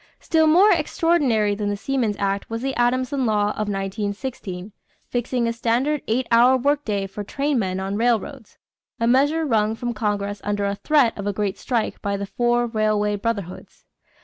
Still more extraordinary than the Seamen's Act was the Adamson law of 1916 fixing a standard eight hour work day for trainmen on railroads a measure wrung from Congress under a threat of a great strike by the four Railway Brotherhoods.